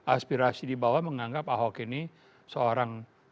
aspirasi di bawah menganggap ahok ini seorang tokoh anti korupsi